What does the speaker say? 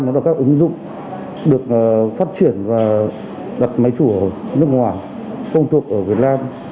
nó là các ứng dụng được phát triển và đặt máy chủ ở nước ngoài công thuộc ở việt nam